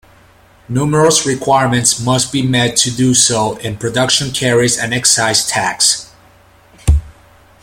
Numerous requirements must be met to do so and production carries an excise tax.